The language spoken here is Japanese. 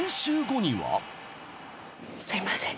すいません